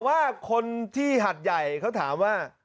ว่าคนที่หัดใหญ่เขาถามว่า